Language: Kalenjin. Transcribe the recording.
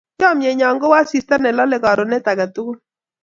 Chomye nyon kou asista ne lalei karonet ake tukul